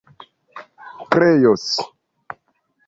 kreos